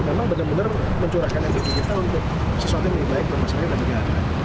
memang benar benar mencurahkan energi kita untuk sesuatu yang lebih baik rumah sakit dan negara